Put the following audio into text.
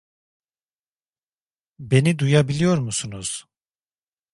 Beni duyabiliyor musunuz?